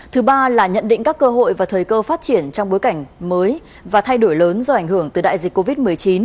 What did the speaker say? thứ ba là nhận định các cơ hội và thời cơ phát triển trong bối cảnh mới và thay đổi lớn do ảnh hưởng từ đại dịch covid một mươi chín